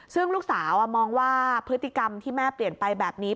ซึ่งลูกสาวมองว่าพฤติกรรมที่แม่เปลี่ยนไปแบบนี้